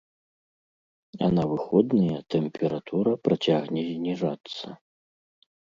А на выходныя тэмпература працягне зніжацца.